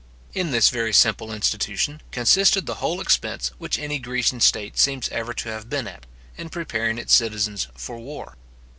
In this very simple institution consisted the whole expense which any Grecian state seems ever to have been at, in preparing its citizens for war.